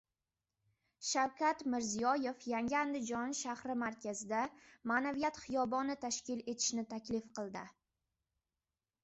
Shavkat Mirziyoyev Yangi Andijon shahri markazida “Ma’naviyat xiyoboni” tashkil etishni taklif qildi